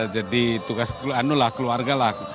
jadi tugas keluarga lah